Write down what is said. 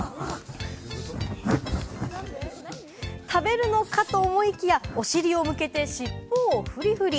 食べるのかと思いきや、お尻を向けて尻尾をフリフリ。